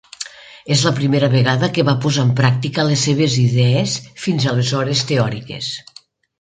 És la primera vegada que va posar en practica les seves idees fins aleshores teòriques.